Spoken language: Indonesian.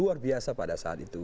luar biasa pada saat itu